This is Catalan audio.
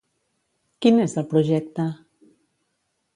Quin és el projecte?